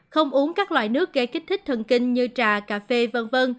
không uống các loại nước gây kích thích thần kinh như trà cà phê v v